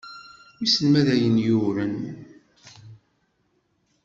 Wissen ma d ayen yuεren.